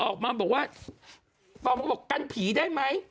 ออกมาบอกว่ากันผีได้ไหม